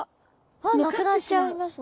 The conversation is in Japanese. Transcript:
あなくなっちゃいますね。